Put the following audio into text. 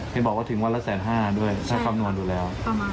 ศรีบอกว่าถึงวันละแสนห้าด้วยถ้ากำหนวนอยู่แล้ว